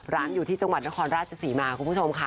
อยู่ที่จังหวัดนครราชศรีมาคุณผู้ชมค่ะ